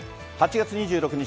８月２６日